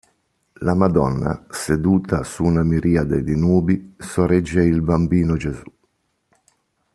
La Madonna, seduta su una miriade di nubi, sorregge il bambino Gesù.